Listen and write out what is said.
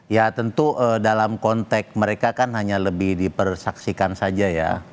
ya tentu dalam konteks mereka kan hanya lebih dipersaksikan saja ya